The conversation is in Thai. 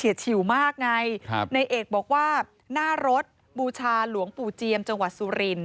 ฉิวมากไงในเอกบอกว่าหน้ารถบูชาหลวงปู่เจียมจังหวัดสุริน